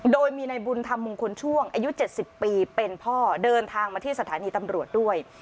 โดยมีในบุญธรรมมงคลช่วงอายุ๗๐ปีเป็นพ่อเดินทางมาที่สถานีตำรวจด้วย